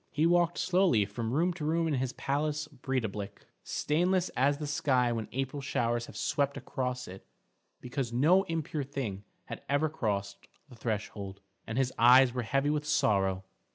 He walked slowly from room to room in his palace Breidablik, stainless as the sky when April showers have swept across it because no impure thing had ever crossed the threshold, and his eyes were heavy with sorrow.